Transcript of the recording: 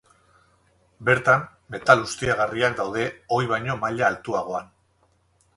Bertan metal ustiagarriak daude, ohi baino maila altuagoan.